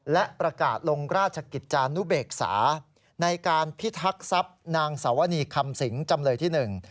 และประกาศลงราชกิจจานุเบกษาในการพิทักษัพนางสาวนีคำสิงจำเลยที่หนึ่ง